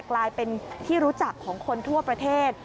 กลายเป็นที่รู้จักของคนทั่วประเทศ